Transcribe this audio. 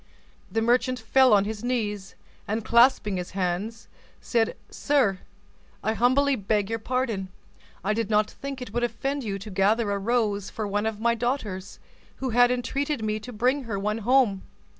The merchant fell on his knees, and clasping his hands, said, "Sir, I humbly beg your pardon: I did not think it would offend you to gather a rose for one of my daughters, who had entreated me to bring her one home.